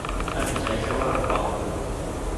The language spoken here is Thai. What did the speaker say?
น่าจะใช้แค่ว่า "ปลอมตัว"